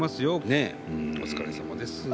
ね、お疲れさまです。